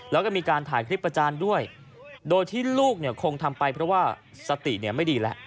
แล้วก็มีการถ่ายคลิปประจานด้วยโดยที่ลูกเนี่ยคงทำไปเพราะว่าสติไม่ดีแล้ว